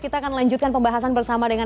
kita akan lanjutkan pembahasan bersama dengan